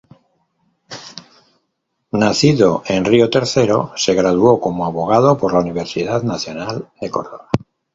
Nacido en Río Tercero, se graduó como abogado por la Universidad Nacional de Córdoba.